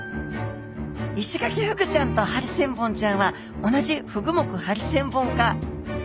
イシガキフグちゃんとハリセンボンちゃんは同じフグ目ハリセンボン科。